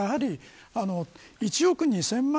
１億２０００万